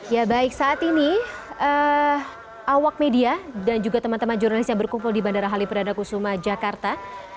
ya baik saat ini awak media dan juga teman teman jurnalis yang berkumpul di bandara halim perdana kusuma jakarta